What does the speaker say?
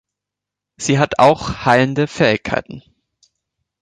Sie hat auch heilende Fähigkeiten.